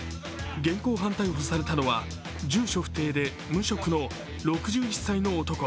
現行犯逮捕されたのは住所不定で無職の６１歳の男。